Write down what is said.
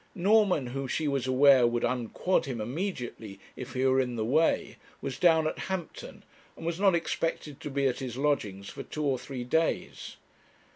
Norman, who she was aware would 'unquod' him immediately, if he were in the way, was down at Hampton, and was not expected to be at his lodgings for two or three days.